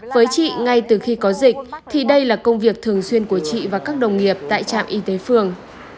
với chị ngay từ khi có dịch thì đây là công việc thường xuyên của chị và các đồng nghiệp tại trạm y tế phường